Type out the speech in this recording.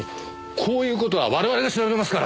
こういう事は我々が調べますから！